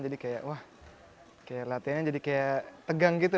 jadi kayak wah latihannya jadi kayak tegang gitu loh